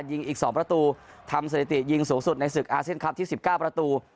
ยิงอีก๒ประตูทำสถิติยิงสูงสุดในศึกอาเซียนคลับที่๑๙ประตู